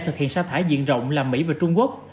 thực hiện sa thải diện rộng là mỹ và trung quốc